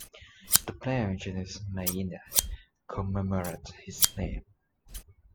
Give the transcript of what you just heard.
The plant genus "Meyenia" commemorates his name.